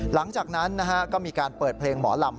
หลังจากนั้นก็มีการเปิดเพลงหมอลำ